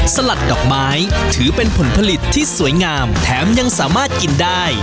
สลัดดอกไม้ถือเป็นผลผลิตที่สวยงามแถมยังสามารถกินได้